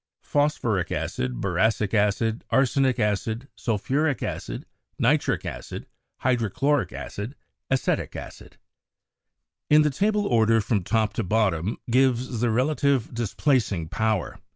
Phosphoric acid Boracic acid Arsenic acid Sulphuric acid Nitric acid Hydrochloric acid Acetic acid In the table the order from top to bottom gives the rela tive displacing power.